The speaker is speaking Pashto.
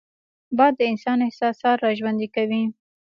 باد د انسان احساسات راژوندي کوي